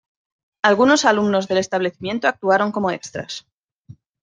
Algunos alumnos del establecimiento actuaron como extras.